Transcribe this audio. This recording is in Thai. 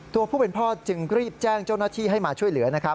ผู้เป็นพ่อจึงรีบแจ้งเจ้าหน้าที่ให้มาช่วยเหลือนะครับ